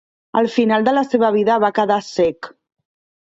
Al final de la seva vida va quedar cec.